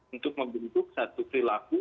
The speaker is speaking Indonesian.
untuk membentuk satu perilaku